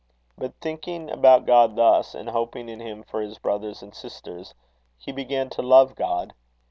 But thinking about God thus, and hoping in him for his brothers and sisters, he began to love God.